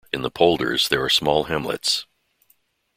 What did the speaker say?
In the polders there are small hamlets.